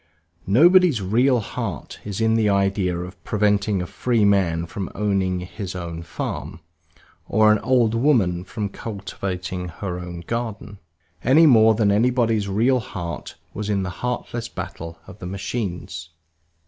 Nobody's real heart is in the idea of preventing a free man from owning his own farm, or an old woman from cultivating her own garden, any more than anybody's real heart was in the heartless battle of the machines.